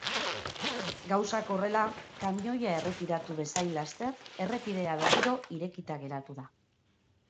Gauzak horrela, kamioia erretiratu bezain laster, errepidea berriro irekita geratu da.